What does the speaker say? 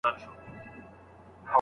زوی له سهار راهيسې ګرځېدلی دی.